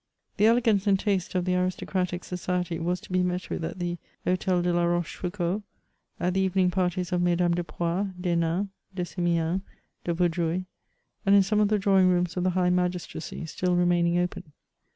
The elegance and taste of the aristocratic society was to be met with at the Hdtel de la Rochefaocault, at the evening parties of Mesdames de Poix, d*Henin, de Simiane, de Vaudreuil, and in some of the drawing rooms of the high magistracy, still remain ing open.